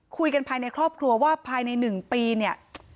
คุยกันภายในครอบครัวว่าภายใน๑ปีเนี่ย